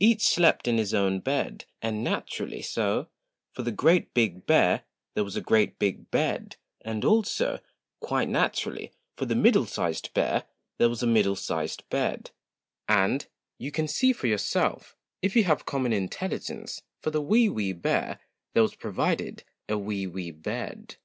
Each slept in his own bed, and natur ally so, for the GREAT BIG BEAR there was a GREAT BIG BED, and also, quite naturally, for the MIDDLE SIZED BEAR there was a MIDDLE SIZED BED, and, you can see for yourself, if you have common intelligence, for the WEE WEE BEAR there was provided a WEE WEE BED.